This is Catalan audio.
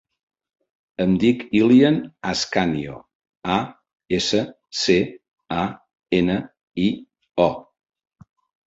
Em dic Ilyan Ascanio: a, essa, ce, a, ena, i, o.